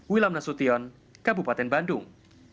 wilham nasution kabupaten bandung